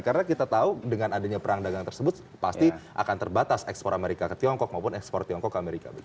karena kita tahu dengan adanya perang dagang tersebut pasti akan terbatas ekspor amerika ke tiongkok maupun ekspor tiongkok ke amerika